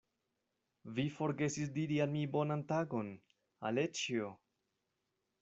Vi forgesis diri al mi bonan tagon, Aleĉjo!